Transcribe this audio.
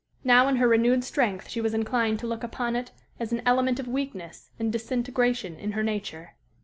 Now in her renewed strength she was inclined to look upon it as an element of weakness and disintegration in her nature.